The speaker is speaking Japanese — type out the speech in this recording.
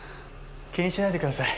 気にしないでください。